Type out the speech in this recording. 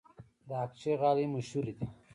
د اقچې غالۍ مشهورې دي